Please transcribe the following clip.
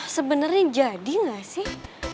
sebenernya jadi gak sih